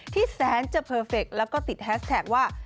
แสนจะเพอร์เฟคแล้วก็ติดแฮสแท็กว่า